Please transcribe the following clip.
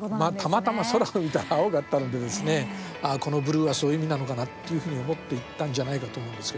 たまたま空を見たら青かったのでこのブルーはそういう意味なのかなというふうに思って言ったんじゃないかと思うんですけどね。